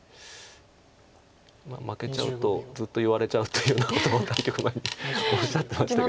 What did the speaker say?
負けちゃうとずっと言われちゃうというようなことを対局前におっしゃってましたけど。